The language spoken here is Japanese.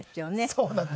そうなんです。